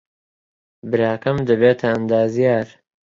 براکەم دەبێتە ئەندازیار.